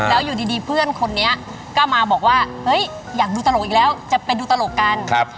แล้วอยู่ดีเพื่อนคนนี้ก็มาบอกว่าเฮ้ยอยากดูตลกอีกแล้วจะไปดูตลกกัน